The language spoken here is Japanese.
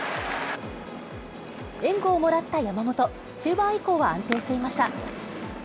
援護をもらった山本、中盤以降は安定していました。